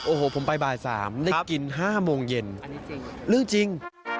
โอ้โหผมไปบ่าย๓ได้กิน๕โมงเย็นเรื่องจริง